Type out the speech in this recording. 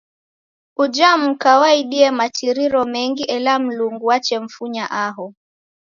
Uja muka waidie matiriro mengi ela Mlungu wachemfunya aho.